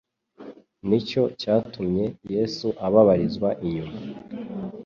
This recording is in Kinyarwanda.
ni cyo cyatumye na yesu ababarizwa inyuma